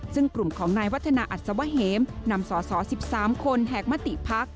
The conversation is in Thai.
ซึ่งกลุ่มของนายวัฒนาอัศวะเหมนำสส๑๓คนแหกมติพัก